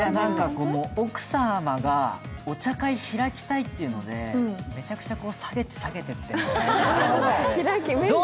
奥様がお茶会開きたいというので、めちゃくちゃ下げて下げてっていう。